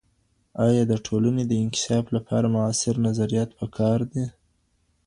آیا د ټولني د انکشاف لپاره معاصر نظریات په کار دي؟